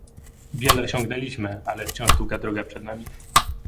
Wiele osiągnęliśmy, ale wciąż długa droga przed nami